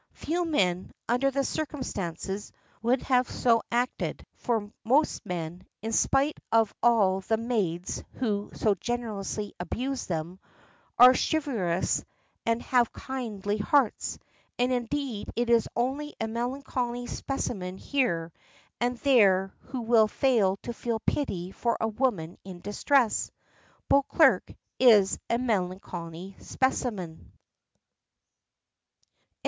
Few men, under the circumstances, would have so acted, for most men, in spite of all the old maids who so generously abuse them, are chivalrous and have kindly hearts; and indeed it is only a melancholy specimen here and there who will fail to feel pity for a woman in distress. Beauclerk is a "melancholy specimen."